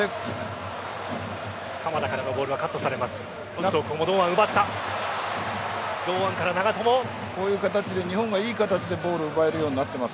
鎌田からのボールはカットされます。